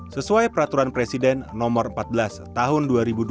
sesuai peraturan presiden nomor empat belas tahun dua ribu dua puluh